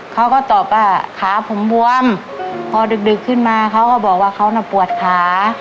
เขาก็ตอบว่าขาผมบวมพอดึกดึกขึ้นมาเขาก็บอกว่าเขาน่ะปวดขา